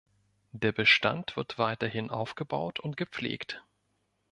Der Bestand wird weiterhin aufgebaut und gepflegt.